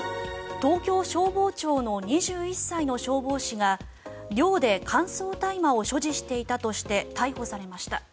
東京消防庁の２１歳の消防士が寮で乾燥大麻を所持していたとして逮捕されました。